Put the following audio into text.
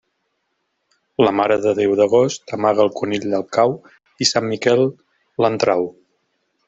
La Mare de Déu d'agost amaga el conill al cau i Sant Miquel l'en trau.